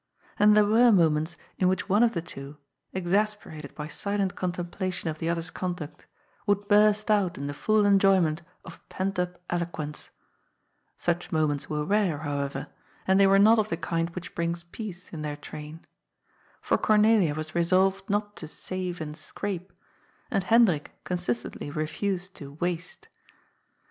And there were moments in which one of the two, exasperated by silent contemplation of the TREATS OP RELIGION. 189 other's conduct, would burst out in the full enjoyment of pent up eloquence. Such moments were rare, however, and they were not of the kind which bring peace in their train. For Cornelia was resolved not to *'save and scrape," and Hendrik consistently refused to " waste."